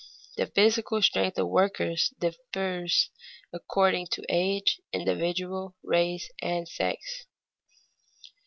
_The physical strength of workers differs according to age, individual, race, and sex.